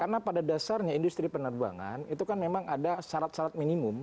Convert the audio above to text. karena pada dasarnya industri penerbangan itu kan memang ada syarat syarat minimum